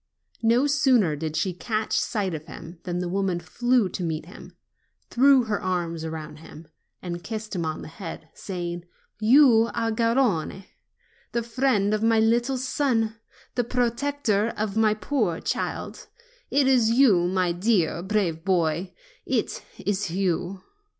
No sooner did she catch sight of him than the woman flew to meet him, threw her arms around him, and kissed him on the head, saying : "You are Garrone, the friend of my little son, the protector of my poor child; it is you, my dear, brave boy; it is you!"